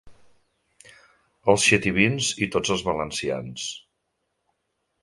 Els xativins i tots els valencians.